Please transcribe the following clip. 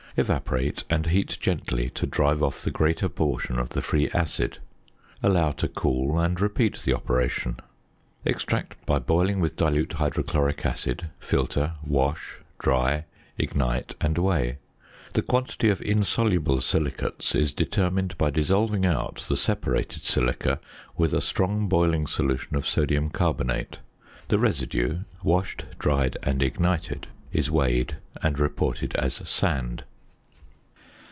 Evaporate and heat gently to drive off the greater portion of the free acid. Allow to cool; and repeat the operation. Extract by boiling with dilute hydrochloric acid, filter, wash, dry, ignite, and weigh. The quantity of insoluble silicates is determined by dissolving out the separated silica with a strong boiling solution of sodium carbonate. The residue (washed, dried, and ignited) is weighed, and reported as "sand."